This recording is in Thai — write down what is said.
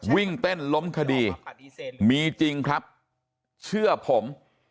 วิ่งเต้นล้มคดีมีจริงครับเชื่อผม